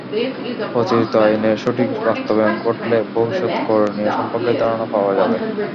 প্রচলিত আইনের সঠিক বাস্তবায়ন ঘটলে ভবিষ্যৎ করণীয় সম্পর্কে ধারণা পাওয়া যাবে।